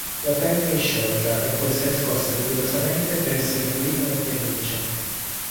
La pelle è sciolta e può essere scossa vigorosamente per essere pulita dal terriccio.